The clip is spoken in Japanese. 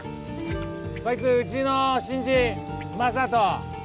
こいつうちの新人眞人。